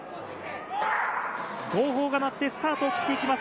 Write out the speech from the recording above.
号砲が鳴って、スタートを切っていきます